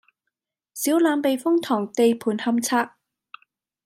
小欖避風塘地盤勘測